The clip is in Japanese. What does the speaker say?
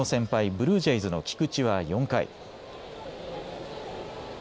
ブルージェイズの菊池は４回。